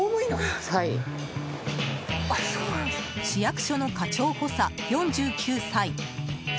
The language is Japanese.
市役所の課長補佐、４９歳。